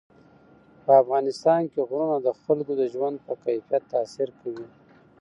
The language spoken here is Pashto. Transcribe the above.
په افغانستان کې غرونه د خلکو د ژوند په کیفیت تاثیر کوي.